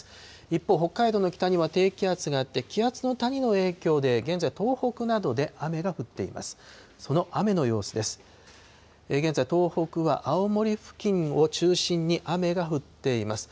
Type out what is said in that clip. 一方、北海道の北には低気圧があって、気圧の谷の影響で現在、東北などで雨が降っています。